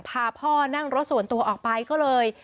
พาพ่อนั่งรถส่วนตัวออกไปก็เลย